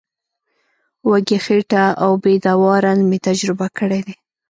وږې خېټه او بې دوا رنځ مې تجربه کړی دی.